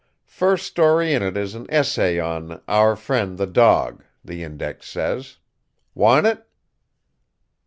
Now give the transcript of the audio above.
"First story in it is an essay on 'Our Friend, the Dog,' the index says. Want it?"